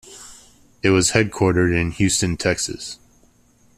It was headquartered in Houston, Texas.